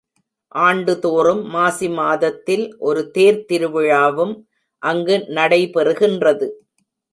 ஆண்டு தோறும் மாசி மாதத்தில் ஒரு தேர்த் திருவிழாவும் அங்கு நடைபெறுகின்றது.